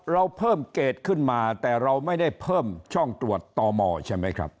เราเพิ่มเกรดขึ้นมาแต่เราไม่ได้เพิ่มช่องตรวจต่อมอใช่ไหมครับ